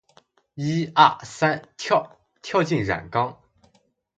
一二三跳！跳进染缸！